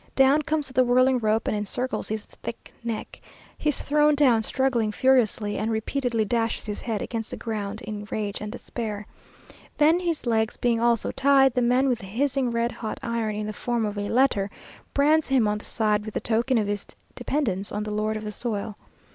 Down comes the whirling rope, and encircles his thick neck. He is thrown down struggling furiously, and repeatedly dashes his head against the ground in rage and despair. Then, his legs being also tied, the man with the hissing red hot iron in the form of a letter, brands him on the side with the token of his dependence on the lord of the soil.